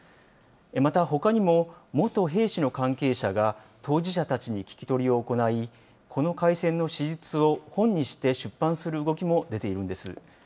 またほかにも、元兵士の関係者が当事者たちに聞き取りを行い、この海戦の史実を本にして出版する動きも出ているんです。